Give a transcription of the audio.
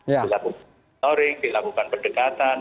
dilakukan scoring dilakukan perdekatan